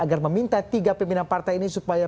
agar meminta tiga peminat partai ini supaya